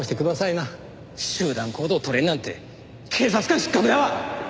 集団行動取れんなんて警察官失格だわ！